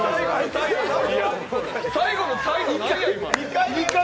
最後の最後、何や。